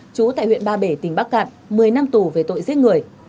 chú tại huyện ba bể tỉnh bắc cạn một mươi năm tù về tội giết người